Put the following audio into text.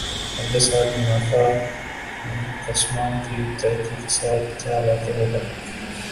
اگلے سال منافع منقسمہ کی ترقی کے ساتھ کِیا واقع ہو گا